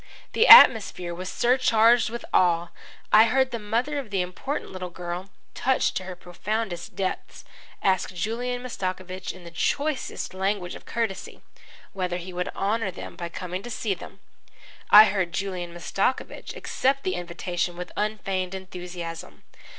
The atmosphere was surcharged with awe. I heard the mother of the important little girl, touched to her profoundest depths, ask Julian Mastakovich in the choicest language of courtesy, whether he would honour them by coming to see them. I heard Julian Mastakovich accept the invitation with unfeigned enthusiasm.